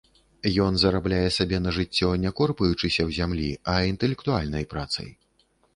Ён зарабляе сабе на жыццё не корпаючыся ў зямлі, а інтэлектуальнай працай.